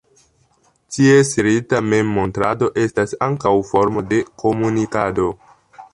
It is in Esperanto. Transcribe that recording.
Ties rita memmontrado estas ankaŭ formo de komunikado.